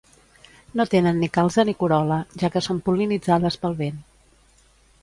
No tenen ni calze ni corol·la, ja que són pol·linitzades pel vent.